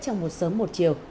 trong một sớm một chiều